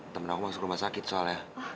temen aku masuk rumah sakit soalnya